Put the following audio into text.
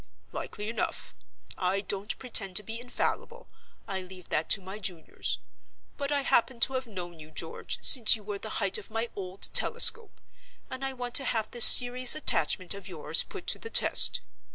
"Likely enough; I don't pretend to be infallible—I leave that to my juniors. But I happen to have known you, George, since you were the height of my old telescope; and I want to have this serious attachment of yours put to the test.